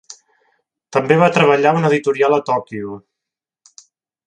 També va treballar a una editorial a Tòquio.